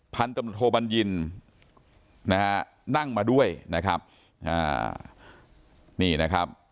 พันตำรวจโทบัญญินนะฮะนั่งมาด้วยนะครับอ่านี่นะครับ